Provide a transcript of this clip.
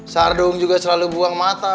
sardung juga selalu buang mata